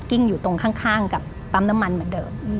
อยู่ตรงข้างกับปั๊มน้ำมันเหมือนเดิม